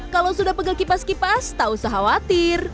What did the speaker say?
kalau sudah pegang kipas kipas tak usah khawatir